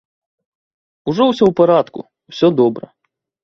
Ужо ўсё ў парадку, усё добра.